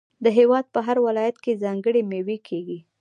د هیواد په هر ولایت کې ځانګړې میوې کیږي.